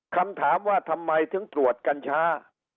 คำถามว่าทำไมถึงตรวจกันช้า